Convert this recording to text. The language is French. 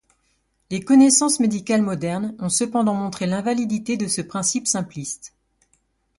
Les connaissances médicales modernes ont cependant montré l'invalidité de ce principe simpliste.